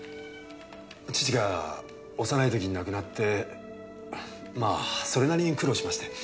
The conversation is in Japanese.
父が幼い時に亡くなってまあそれなりに苦労しまして。